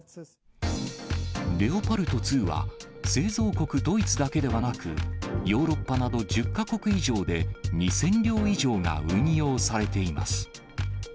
レオパルト２は、製造国、ドイツだけではなく、ヨーロッパなど１０か国以上で２０００両以上が運用されています。